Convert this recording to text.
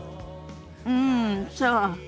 うんそう。